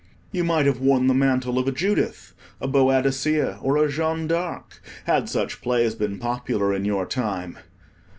You might have worn the mantle of a Judith, a Boadicea, or a Jeanne d'Arc, had such plays been popular in your time.